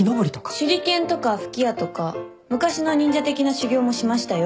手裏剣とか吹き矢とか昔の忍者的な修行もしましたよ。